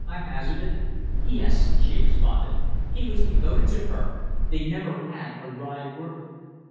I hazarded. "Yes," she responded. "He was devoted to her. They never had a wry word."